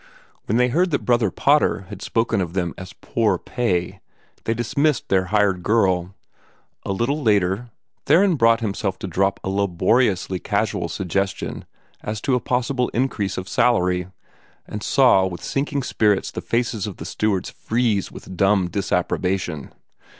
When they heard that Brother Potter had spoken of them as "poor pay," they dismissed their hired girl. A little later, Theron brought himself to drop a laboriously casual suggestion as to a possible increase of salary, and saw with sinking spirits the faces of the stewards freeze with dumb disapprobation.